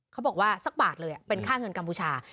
เขาบอกว่าสักบาทเลยเป็นค่าเงินกัมพูชา